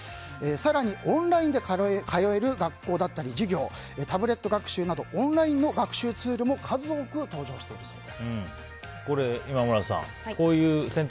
更に、オンラインで通える学校だったり授業タブレット学習などオンラインのツールも今村さん